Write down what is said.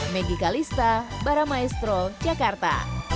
meggy kalista baramaestro jakarta